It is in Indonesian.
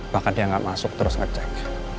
bahkan dia nggak masuk terus ngecek